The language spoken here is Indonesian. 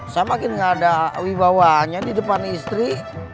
saya makin nggak ada wibawanya di depan istri